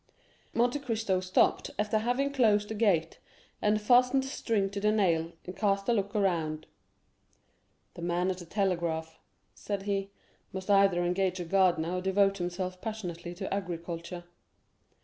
Monte Cristo stopped after having closed the gate and fastened the string to the nail, and cast a look around. "The man at the telegraph," said he, "must either engage a gardener or devote himself passionately to agriculture."